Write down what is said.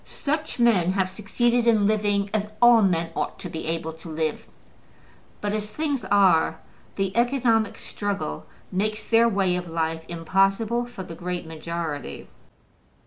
Such men have succeeded in living as all men ought to be able to live; but as things are, the economic struggle makes their way of life impossible for the great majority.